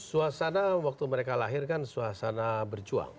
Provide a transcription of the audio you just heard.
suasana waktu mereka lahir kan suasana berjuang